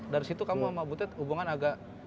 dari situ kamu sama butet hubungan agak